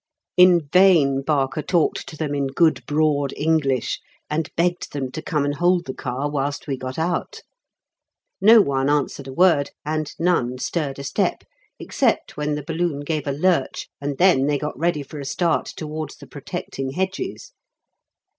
In vain Barker talked to them in good broad English, and begged them to come and hold the car whilst we got out. No one answered a word, and none stirred a step, except when the balloon gave a lurch, and then they got ready for a start towards the protecting hedges.